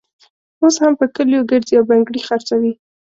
اوس هم په کلیو ګرزي او بنګړي خرڅوي.